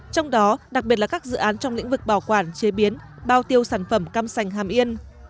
trong đó đặc biệt là các dự án trong lĩnh vực bảo quản chế biến bao tiêu sản phẩm cam sành hàm yên